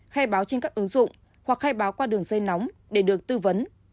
khai báo trên các ứng dụng hoặc khai báo qua đường dây nóng để được tư vấn